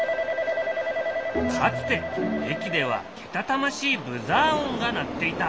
かつて駅ではけたたましいブザー音が鳴っていた。